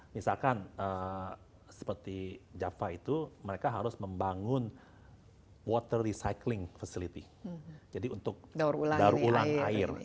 misalkan seperti java itu mereka harus membangun water recycling facility jadi untuk daur ulang air